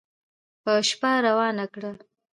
په شپه روانه کړه